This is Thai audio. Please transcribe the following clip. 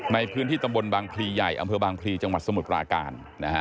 ในพื้นที่ตำบลบางพลีใหญ่อำเภอบางพลีจังหวัดสมุทรปราการ